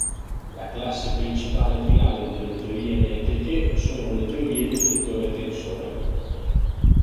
La classe principale finale delle teorie metriche sono le teorie del vettore-tensore.